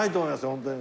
本当に。